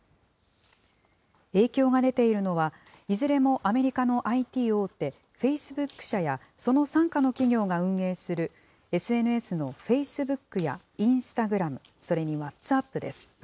影響が出ているのは、いずれもアメリカのＩＴ大手、フェイスブック社や、その傘下の企業が運営する、ＳＮＳのフェイスブックやインスタグラム、それにワッツアップです。